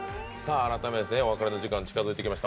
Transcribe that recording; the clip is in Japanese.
改めてお別れの時間近づいてきました。